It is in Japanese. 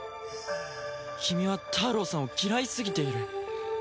君はタロウさんを嫌いすぎている。